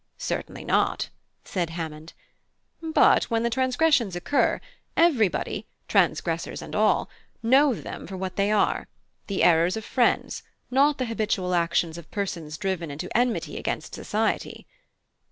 "Certainly not," said Hammond, "but when the transgressions occur, everybody, transgressors and all, know them for what they are; the errors of friends, not the habitual actions of persons driven into enmity against society."